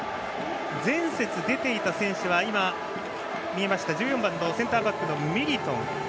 前節出ていた選手は１４番のセンターバックのミリトン。